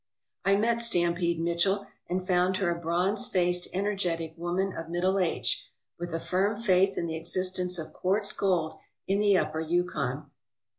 I met "Stampede" Mitchell and found her a bronze faced, energetic woman of middle age, with a firm faith in the existence of quartz gold in the upper Yukon.